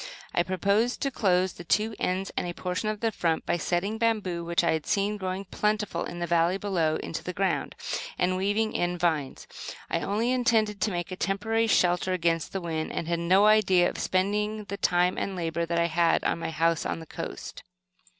I proposed to close the two ends and a portion of the front, by setting bamboo, which I had seen growing plentifully in the valley below, into the ground, and weaving in vines. I only intended to make a temporary shelter against the wind, and had no idea of spending the time and labor that I had on my house on the coast.